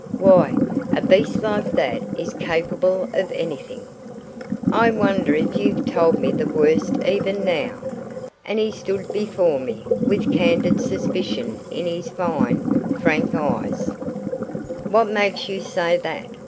Why, a beast like that is capable of anything: I wonder if you've told me the worst even now?" And he stood before me, with candid suspicion in his fine, frank eyes. "What makes you say that?"